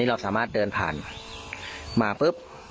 เราสามารถเดินผ่านมาปุ๊บ